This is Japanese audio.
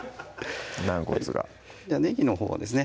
軟骨がねぎのほうはですね